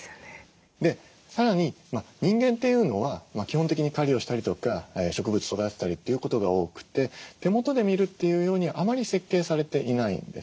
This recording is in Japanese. さらに人間というのは基本的に狩りをしたりとか植物育てたりということが多くて手元で見るっていうようにあまり設計されていないんです。